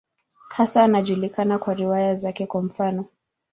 Hasa anajulikana kwa riwaya zake, kwa mfano.